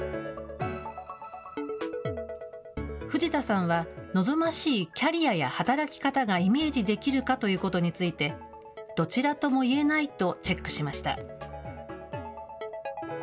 藤田さんは、望ましいキャリアや働き方がイメージできるかということについて、どちらともいえないとチェックしました。